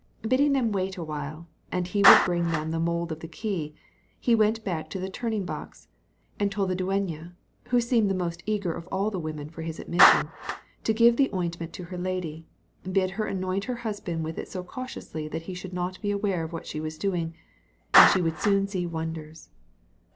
Bidding them wait awhile, and he would bring them the mould of the key, he went back to the turning box, and told the dueña, who seemed the most eager of all the women for his admission, to give the ointment to her lady, bid her anoint her husband with it so cautiously that he should not be aware of what she was doing, and she would soon see wonders.